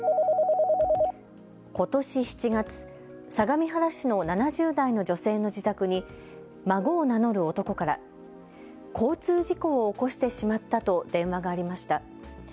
ことし７月、相模原市の７０代の女性の自宅に孫を名乗る男から交通事故を起こしてしまったと電話がありました。